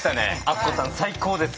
あっこさん最高です。